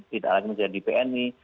tidak lagi menjadi bni